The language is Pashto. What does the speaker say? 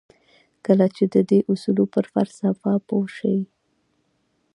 کله چې د دې اصولو پر فلسفه پوه شئ.